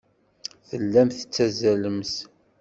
Tellamt tettazzalemt.